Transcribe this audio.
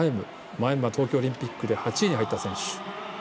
マウェムは東京オリンピックで８位に入った選手。